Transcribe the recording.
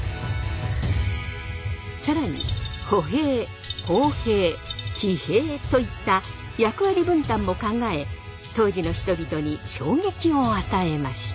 更に歩兵砲兵騎兵といった役割分担も考え当時の人々に衝撃を与えました。